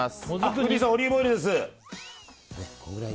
フーディーさんオリーブオイルです！